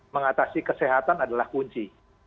mengatasi kesehatan adalah kunci